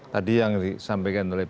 tadi yang disampaikan oleh